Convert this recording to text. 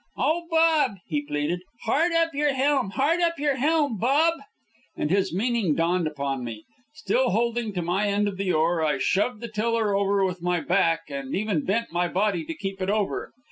"Oh, Bob," he pleaded, "hard up your helm! Hard up your helm, Bob!" And his meaning dawned upon me. Still holding to my end of the oar, I shoved the tiller over with my back, and even bent my body to keep it over.